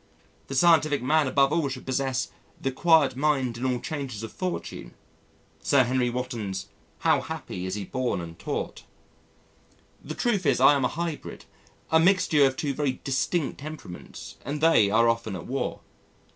The scientific man above all should possess the "quiet mind in all changes of fortune" Sir Henry Wotton's How happy is he born and taught. The truth is I am a hybrid: a mixture of two very distinct temperaments and they are often at war.